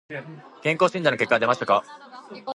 健康診断の結果は出ましたか。